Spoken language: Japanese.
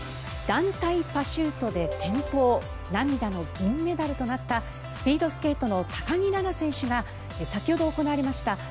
団体パシュートで転倒涙の銀メダルとなったスピードスケートの高木菜那選手が先ほど行われました